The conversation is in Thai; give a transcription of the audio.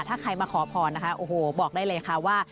ถ้าใครมาขอพรนะคะโอ้โหบอกได้เลยค่ะว่า